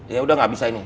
ya udah gak bisa ini